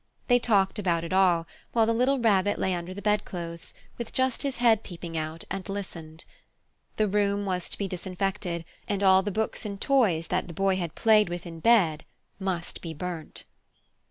They talked about it all, while the little Rabbit lay under the bedclothes, with just his head peeping out, and listened. The room was to be disinfected, and all the books and toys that the Boy had played with in bed must be burnt.